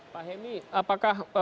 pak hemi apakah